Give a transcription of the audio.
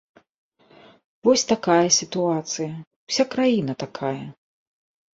Вось такая сітуацыя, уся краіна такая.